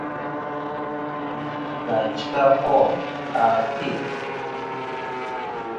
Yi ndu nà chya bòl a fil.